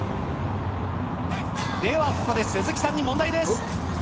ではここで鈴木さんに問題です。